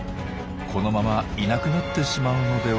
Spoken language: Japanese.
このままいなくなってしまうのでは？